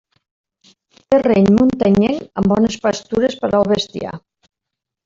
Terreny muntanyenc amb bones pastures per al bestiar.